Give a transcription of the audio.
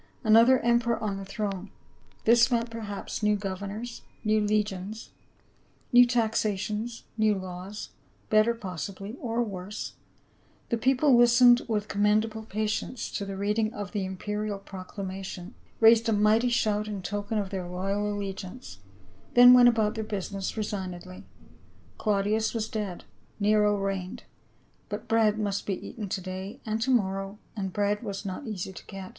Another emperor on the throne ! this meant perhaps new governors, new le gions, new taxations, new laws, better possibl) — or worse. The people li.stencd with commendable pa tience to the reading of the imperial proclamation, A BUSINESS MAN OF EPHESUS 355 raised a mighty shout in token of their loyal allegiance, then went about their business resignedly. Claudius was dead ; Nero reigned ; but bread must be eaten to day and to morrow, and bread was not easy to get.